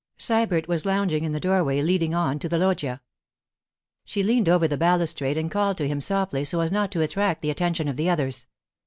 Sybert was lounging in the doorway leading on to the loggia. She leaned over the balustrade and called to him softly so as not to attract the attention of the others.